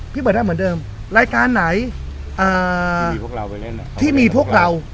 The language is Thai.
พี่เบิร์ดได้เหมือนเดิมรายการไหนเอ่อที่มีพวกเราไปเล่นที่มีพวกเรา